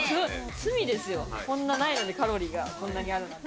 罪ですよ、こんなないのに、カロリーがこんなにあるなんて。